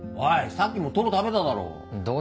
さっきもトロ食べただろう？